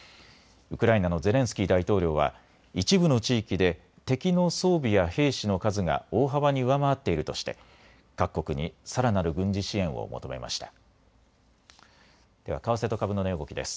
ウクライナのゼレンスキー大統領は一部の地域で敵の装備や兵士の数が大幅に上回っているとして各国にさらなる軍事支援を求めました。